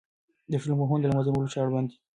د ټولنپوهنه د له منځه وړلو چاره وړاندې کوي.